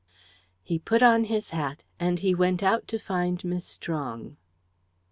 He put on his hat, and he went out to find Miss Strong.